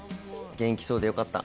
元気そうでよかった。